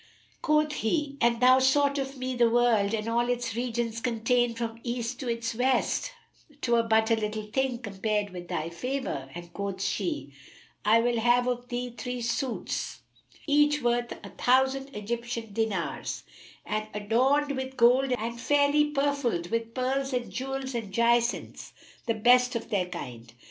Quoth he, "An thou sought of me the world and all its regions contain from its East to its West, 'twere but a little thing, compared with thy favour;" and quoth she, "I will have of thee three suits, each worth a thousand Egyptian dinars, and adorned with gold and fairly purfled with pearls and jewels and jacinths, the best of their kind.